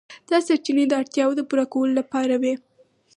دا سرچینې د اړتیاوو د پوره کولو لپاره وې.